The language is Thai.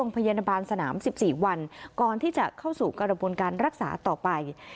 พยาบาลสนาม๑๔วันก่อนที่จะเข้าสู่กระบวนการรักษาต่อไป